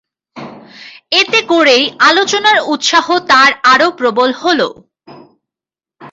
এতে করেই আলোচনার উৎসাহ তার আরো প্রবল হল।